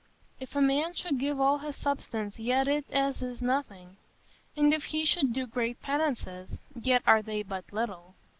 If a man should give all his substance, yet it is as nothing. And if he should do great penances, yet are they but little.